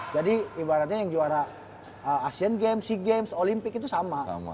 jadi ibaratnya yang juara asean games sea games olimpik itu sama